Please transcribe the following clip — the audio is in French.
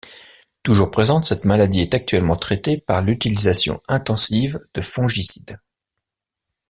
Toujours présente, cette maladie est actuellement traitée par l'utilisation intensive de fongicides.